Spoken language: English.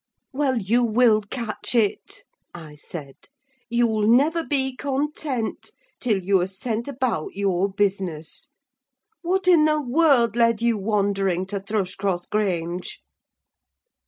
"Well, you will catch it!" I said: "you'll never be content till you're sent about your business. What in the world led you wandering to Thrushcross Grange?"